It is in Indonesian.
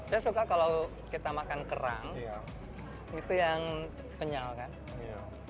saya suka kalau kita makan kerang itu yang kenyal kan